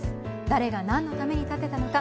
誰が何のために立てたのか。